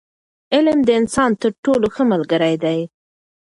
علم د انسان تر ټولو ښه ملګری دی.